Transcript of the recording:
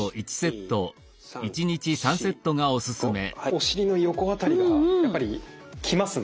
お尻の横辺りがやっぱりきますね。